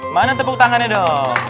mana tepuk tangannya dong